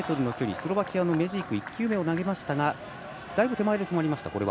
スロバキアのメジーク１球目を投げましたがだいぶ手前で止まりました。